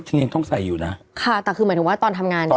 จริงยังต้องใส่อยู่นะค่ะแต่คือหมายถึงว่าตอนทำงานเนี้ย